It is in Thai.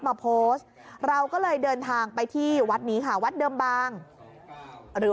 มาโพสต์เราก็เลยเดินทางไปที่วัดนี้ค่ะวัดเดิมบางหรือ